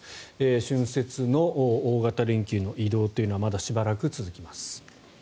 春節の大型連休の移動はまだしばらく続きます。